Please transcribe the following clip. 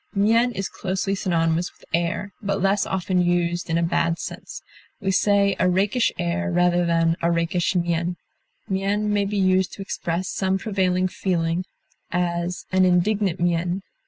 Mien is closely synonymous with air, but less often used in a bad sense. We say a rakish air rather than a rakish mien. Mien may be used to express some prevailing feeling; as, "an indignant mien."